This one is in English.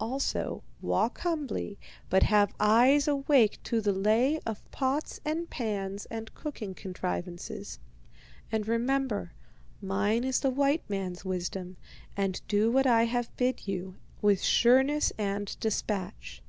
Also, walk humbly, but have eyes awake to the lay of pots and pans and cooking contrivances. And remember, mine is the white man's wisdom, and do what I have bid you, with sureness and despatch.'